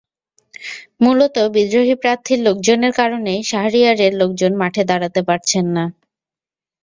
মূলত বিদ্রোহী প্রার্থীর লোকজনের কারণেই শাহরিয়ারের লোকজন মাঠে দাঁড়াতে পারছেন না।